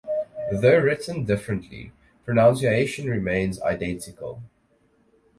Though written differently, pronunciation remains identical.